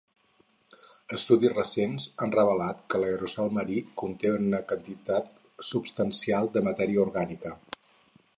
Estudis recents han revelat que l'aerosol marí conté una quantitat substancial de matèria orgànica.